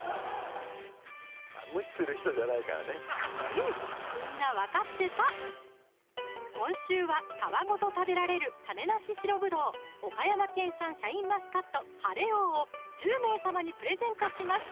うんみんな分かってた今週は皮ごと食べられる種なし白ぶどう岡山県産シャインマスカット「晴王」を１０名様にプレゼントします